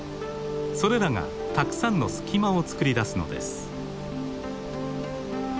それらがたくさんの隙間をつくり出すのです。